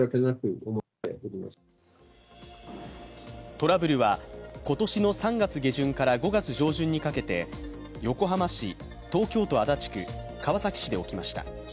トラブルは今年の３月下旬から５月上旬にかけて横浜市、東京都・足立区、川崎市で起きました。